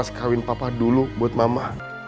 kawin papa dulu buat mama